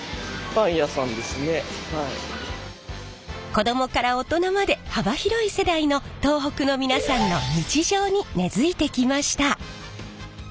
子供から大人まで幅広い世代の東北の皆さんの日常に根づいてきました。